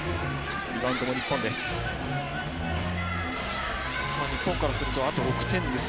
リバウンドも日本です。